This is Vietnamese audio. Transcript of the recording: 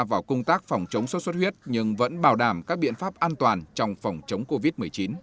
vào công tác phòng chống sốt xuất huyết nhưng vẫn bảo đảm các biện pháp an toàn trong phòng chống covid một mươi chín